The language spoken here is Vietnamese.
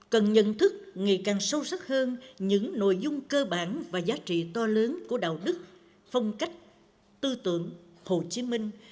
cần nhận thức ngày càng sâu sắc hơn những nội dung cơ bản và giá trị to lớn của đạo đức phong cách tư tưởng hồ chí minh